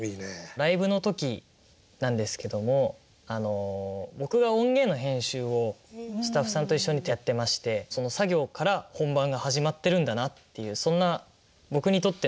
ライブの時なんですけども僕が音源の編集をスタッフさんと一緒にやってましてその作業から本番が始まってるんだなっていうそんな僕にとってのイベントを。